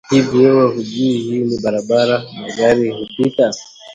Hivi wewe hujui hii ni barabara na magari hupita?